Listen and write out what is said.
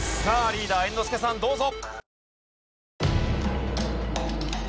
リーダー猿之助さんどうぞ。